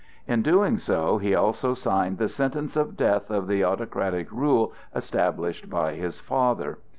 In doing so he also signed the sentence of death of the autocratic rule established by his father.